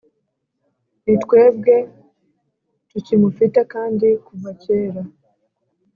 Nitwebwe tukimufite kandi kuva kera